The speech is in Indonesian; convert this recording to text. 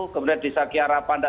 kemudian di desa kiara pandak satu